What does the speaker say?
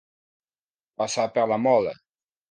Passar per la mola.